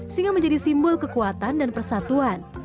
sehingga menjadi simbol kekuatan dan persatuan